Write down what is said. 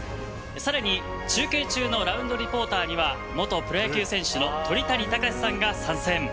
さらに中継中のラウンドリポーターには、元プロ野球選手の鳥谷敬さんが参戦。